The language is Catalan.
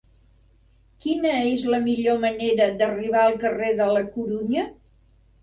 Quina és la millor manera d'arribar al carrer de la Corunya?